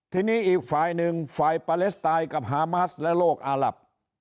ทีนี้อีกฝ่ายหนึ่งฝ่ายปาเลสไตน์กับฮามัสและโลกอาหลับ